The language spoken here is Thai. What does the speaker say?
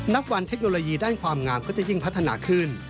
นับวันเทคโนโลยีด้านความงามก็จะยิ่งพัฒนาขึ้น